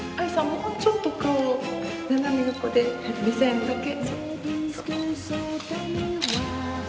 もうちょっと顔を斜め横で目線だけ。